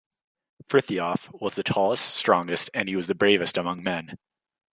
Frithiof was the tallest, strongest and he was the bravest among men.